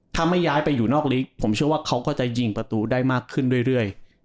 ถ้าไม่ย้ายไปอยู่นอกลิกผมเชื่อว่าเขาก็จะยิงประตูได้มากขึ้นเรื่อย